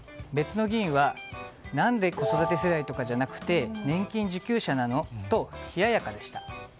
別の議員は何で子育て世代とかじゃなくて年金受給者なの？と冷ややかでした。